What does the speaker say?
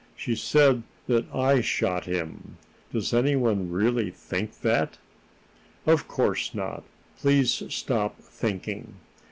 She said that I shot him. Does anyone really think that?" "Of course not. Please stop thinking."